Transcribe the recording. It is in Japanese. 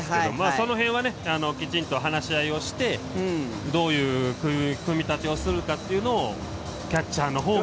その辺はきちんと話し合いをしてどういう組み立てをするかというのをキャッチャーの方が。